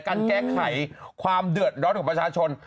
การแก้ไขความเดือดร้อนของประชาชน